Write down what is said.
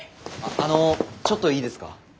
あのちょっといいですか？